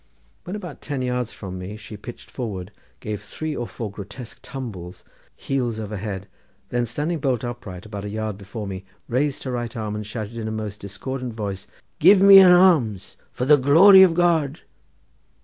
When about ten yards from me, she pitched forward, gave three or four grotesque tumbles, heels over head, then standing bolt upright, about a yard before me, she raised her right arm, and shouted in a most discordant voice—"Give me an alms, for the glory of God."